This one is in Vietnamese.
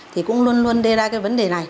thì cũng luôn luôn đưa ra vấn đề